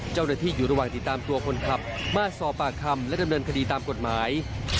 เจ้าหน้าที่อยู่ระหว่างติดตามตัวคนขับมาสอบปากคำและดำเนินคดีตามกฎหมาย